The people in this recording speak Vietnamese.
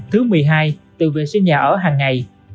thứ mười hai đừng vệ sinh nhà ở hằng ngày